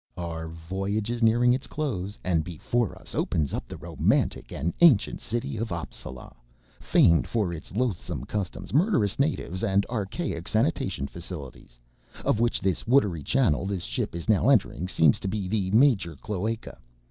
"Our voyage is nearing its close and before us opens up the romantic and ancient city of Appsala, famed for its loathsome customs, murderous natives and archaic sanitation facilities, of which this watery channel this ship is now entering seems to be the major cloaca.